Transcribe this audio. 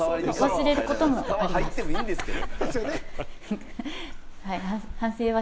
川入ってもいいんですけど。